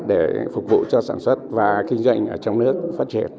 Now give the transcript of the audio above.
để phục vụ cho sản xuất và kinh doanh ở trong nước phát triển